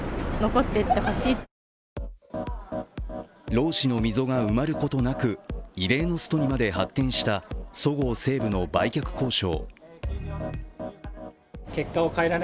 労使の溝が埋まることなく、異例のストにまで発展したそごう・西武の売却交渉。